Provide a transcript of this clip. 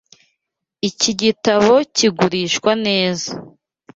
Iki gitabo kigurishwa neza.)